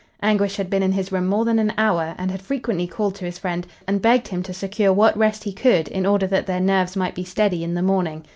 Anguish had been in his room more than an hour, and had frequently called to his friend and begged him to secure what rest he could in order that their nerves might be steady in the morning.